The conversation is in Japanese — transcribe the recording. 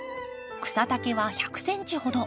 草丈は１００ｃｍほど。